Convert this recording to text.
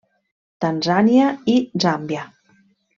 Tanzània i Zàmbia.